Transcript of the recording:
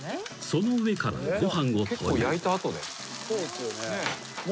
［その上からご飯を投入］